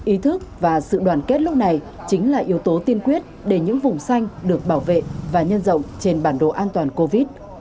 ý thức và sự đoàn kết lúc này chính là yếu tố tiên quyết để những vùng xanh được bảo vệ và nhân rộng trên bản đồ an toàn covid